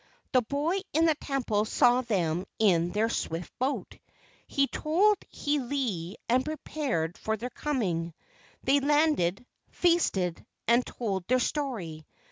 The boy in the temple saw them in their swift boat. He told Hiilei and prepared for their coming. They landed, feasted, and told their story.